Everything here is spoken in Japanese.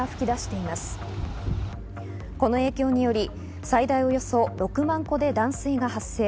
この影響により最大およそ６万戸で断水が発生。